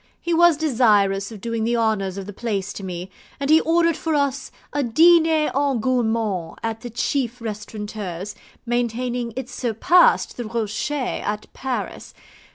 He was desirous of doing the honours of the place to me, and he ordered for us a DINER EN GOURMAND at the chief restaurateur's, maintaining it surpassed the Rocher at Paris.